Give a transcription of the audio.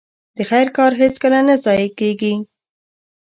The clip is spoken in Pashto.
د خير کار هيڅکله نه ضايع کېږي.